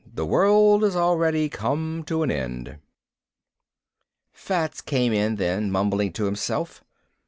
The world has already come to an end." Fats came in then, mumbling to himself.